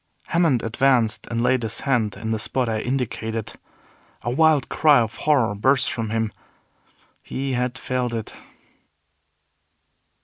Hammond advanced and laid his hand in the spot I indicated. A wild cry of horror burst from him. He had felt it!